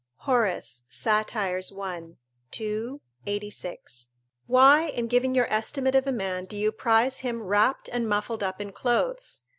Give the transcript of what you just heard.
Horace, Sat., i. 2, 86.] why, in giving your estimate of a man, do you prize him wrapped and muffled up in clothes?